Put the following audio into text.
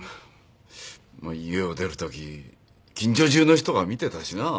まあ家を出るとき近所中の人が見てたしな。